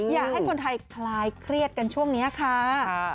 อยากให้คนไทยคลายเครียดกันช่วงนี้ค่ะ